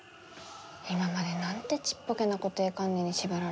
今までなんてちっぽけな固定観念に縛られてきたんだろう。